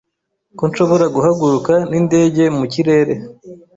Ko nshobora guhaguruka nindege mu kirere